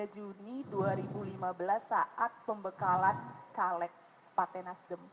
tiga juni dua ribu lima belas saat pembekalan kalek pak t nasdem